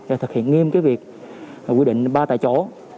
để thực hiện nghiêm cái việc quy định ba tại chỗ